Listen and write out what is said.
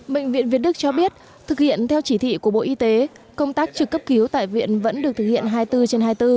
bệnh viện việt đức cho biết thực hiện theo chỉ thị của bộ y tế công tác trực cấp cứu tại viện vẫn được thực hiện hai mươi bốn trên hai mươi bốn